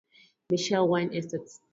Michelle Wine Estates.